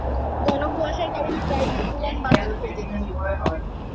ঘন কুয়াশার কারণে প্রায়ই উড়ান বাতিল হয়ে যেত।